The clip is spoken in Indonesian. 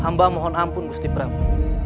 hamba mohon ampun gusti prabu